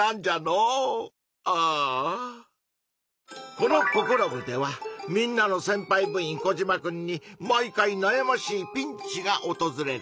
この「ココロ部！」ではみんなのせんぱい部員コジマくんに毎回なやましいピンチがおとずれる。